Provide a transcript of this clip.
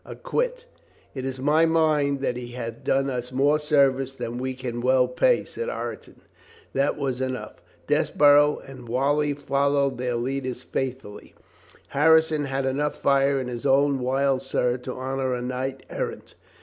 Acquit." "It is my mind that he hath done us more service than we can well pay," said Ireton. That was enough. Desborough and Whalley fol lowed their leaders faithfully. Harrison had enough fire in his own wild soul to honor a. knight errant.